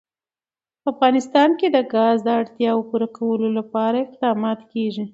په افغانستان کې د ګاز د اړتیاوو پوره کولو لپاره اقدامات کېږي.